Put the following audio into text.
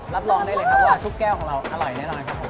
รับรองได้เลยครับว่าทุกแก้วของเราอร่อยแน่นอนครับผม